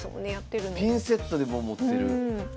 ピンセットで持ってる。